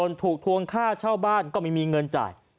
ถูกทวงค่าเช่าบ้านก็ไม่มีเงินจ่าย